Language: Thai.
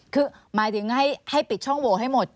คือหมายถึงให้ปิดช่องโหวให้หมด